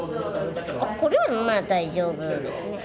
あっこれはまあ大丈夫ですね